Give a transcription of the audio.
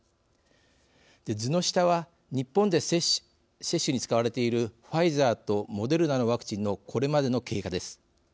図の下は日本で接種に使われているファイザーとモデルナのワクチンのこれまでの経過です。